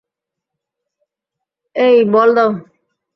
এই, বল দাও।